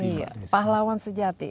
iya pahlawan sejati